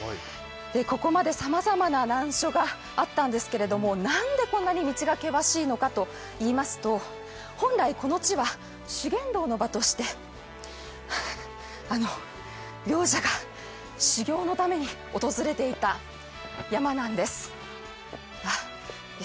ここまでさまざまな難所があったんですけれども、なんでこんなに道が険しいのかといいますと、本来、この地は修験道の場として行者が修行のために訪れていた山なんです。